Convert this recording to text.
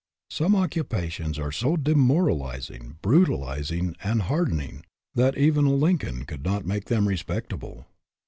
Some occupations are so demoralizing, brutalizing, and harden ing that even a Lincoln could not make them respectable.